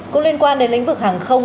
cũng liên quan đến lĩnh vực hàng không